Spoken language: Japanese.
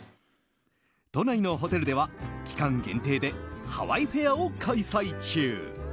都内のホテルでは期間限定でハワイフェアを開催中。